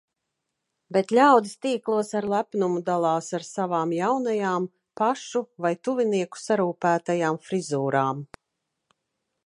Bet ļaudis tīklos ar lepnumu dalās ar savām jaunajām, pašu vai tuvinieku sarūpētajām frizūrām.